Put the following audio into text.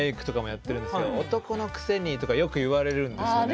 男のくせにとかよく言われるんですよね。